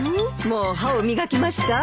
もう歯を磨きました？